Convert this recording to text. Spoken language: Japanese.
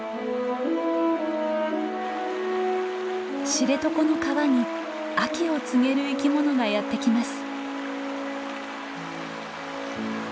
知床の川に秋を告げる生きものがやって来ます。